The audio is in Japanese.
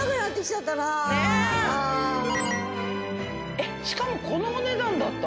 えっしかもこのお値段だった？